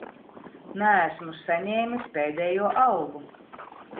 Neesmu saņēmis pēdējo algu.